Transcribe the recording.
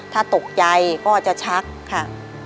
ถ้าตกใจก็จะชักค่ะ